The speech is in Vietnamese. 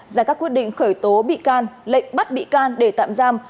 ra các quyết định khởi tố bị can lệnh bắt bị can để tạm giam